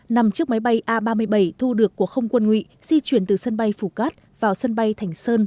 nằm trước máy bay a ba mươi bảy thu được của không quân ngụy di chuyển từ sân bay phủ cát vào sân bay thành sơn